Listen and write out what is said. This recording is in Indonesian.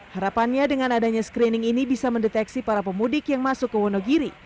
harapannya dengan adanya screening ini bisa mendeteksi para pemudik yang masuk ke wonogiri